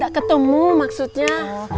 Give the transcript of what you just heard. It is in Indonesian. gak ketemu maksudnya